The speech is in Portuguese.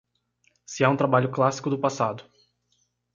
Se é um trabalho clássico do passado